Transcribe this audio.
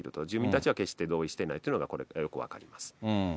住民たちは決して同意してないというのが、これがよく分かります。